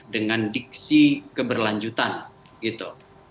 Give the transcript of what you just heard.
dengan diksi keberlanjutan gitu